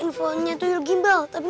iya biasanya emang luah ramah